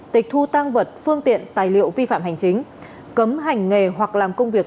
tịch thu tăng vật phương tiện tài liệu vi phạm hành chính cấm hành nghề hoặc làm công việc